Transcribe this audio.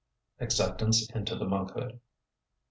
_Acceptance into the Monkhood.